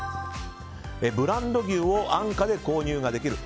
ブランド牛を安価で購入できる。